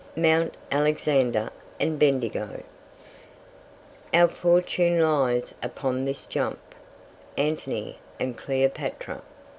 MOUNT ALEXANDER AND BENDIGO. "Our fortune lies upon this jump." Antony and Cleopatra.